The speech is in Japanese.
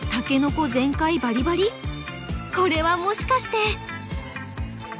これはもしかして！？